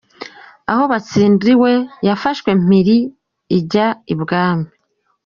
Aho batsindiwe yafashwe mpiri, ijya I bwami.